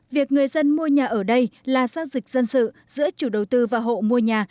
việc người dân mua nhà ở đây là giao dịch dân sự giữa chủ đầu tư và hộ mua nhà